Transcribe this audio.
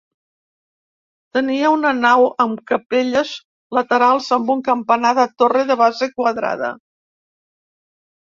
Tenia una nau amb capelles laterals, amb un campanar de torre de base quadrada.